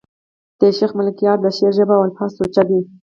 د شېخ ملکیار د شعر ژبه او الفاظ سوچه دي.